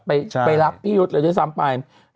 ไปรับพี่ยุทธ์เลยด้วยซ้ำไป